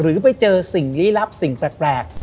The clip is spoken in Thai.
หรือไปเจอสิ่งลี้ลับสิ่งแปลก